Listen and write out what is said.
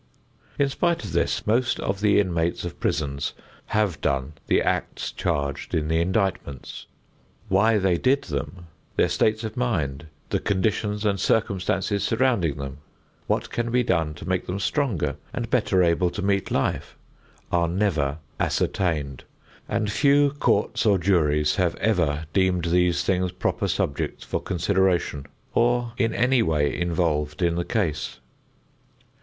In spite of this, most of the inmates of prisons have done the acts charged in the indictments. Why they did them, their states of mind, the conditions and circumstances surrounding them, what can be done to make them stronger and better able to meet life are never ascertained, and few courts or juries have ever deemed these things proper subjects for consideration or in any way involved in the case.